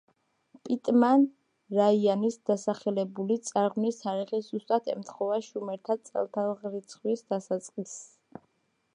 პიტმან–რაიანის დასახელებული წარღვნის თარიღი ზუსტად ემთხვევა შუმერთა წელთაღრიცხვის დასაწყისს.